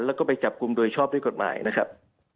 แล้วก็ไปจับกลุ่มโดยชอบด้วยกฎหมายนะครับ